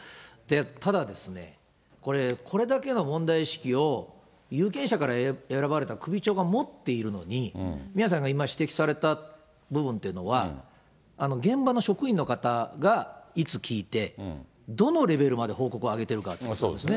ただですね、これだけの問題意識を有権者から選ばれた首長が持っているのに、宮根さんが今指摘された部分っていうのは、現場の職員の方がいつ聞いて、どのレベルまで報告上げてるかってことですね。